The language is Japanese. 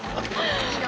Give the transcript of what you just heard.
いいな。